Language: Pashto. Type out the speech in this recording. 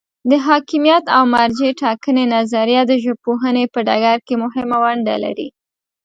د حاکمیت او مرجع ټاکنې نظریه د ژبپوهنې په ډګر کې مهمه ونډه لري.